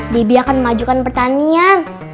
debbie akan memajukan pertanian